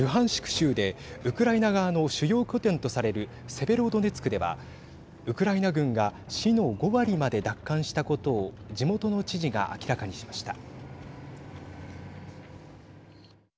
州でウクライナ側の主要拠点とされるセベロドネツクではウクライナ軍が市の５割まで奪還したことを地元の知事が明らかにしました。